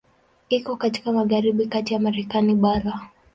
Iko katika magharibi kati ya Marekani bara.